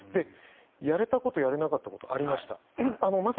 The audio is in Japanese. やれたこと、やれなかったことありました。